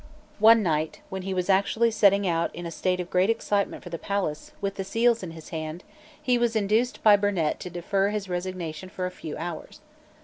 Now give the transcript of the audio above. One night, when he was actually setting out in a state of great excitement for the palace, with the seals in his hand, he was induced by Burnet to defer his resignation for a few hours.